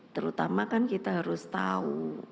terutama kan kita harus tahu